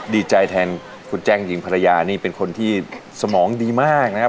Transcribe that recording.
ดีใจแทนคุณแจ้งหญิงภรรยานี่เป็นคนที่สมองดีมากนะครับ